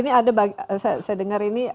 ini ada saya dengar ini